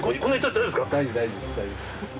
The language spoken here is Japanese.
大丈夫、大丈夫、大丈夫です。